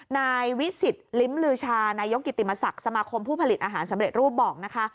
นายวิสิตลิ้มลือชานายกกิติมศักดิ์สมาคมผู้ผลิตอาหารสำเร็จรูปบอกนะคะ